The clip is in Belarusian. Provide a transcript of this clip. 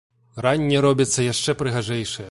Ранне робіцца яшчэ прыгажэйшае.